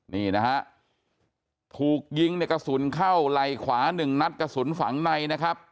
นี่นะฮะถูกยิงในกระสุนเข้าไหล่ขวาหนึ่งนัดกระสุนฝังในนะครับ